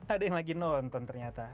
ada yang lagi nonton ternyata